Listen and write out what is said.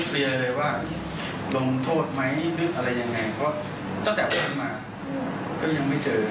เคลียร์เลยว่าลงโทษไหมหรืออะไรยังไงก็ตั้งแต่วันมาก็ยังไม่เจอ